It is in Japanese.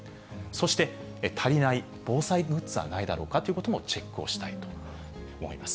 そして、足りない防災グッズはないだろうかということもチェックをしたいと思います。